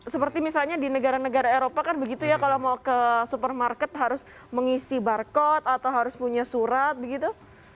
seperti misalnya di negara negara eropa kan begitu ya kalau mau ke supermarket harus mengisi barcode atau harus punya surat begitu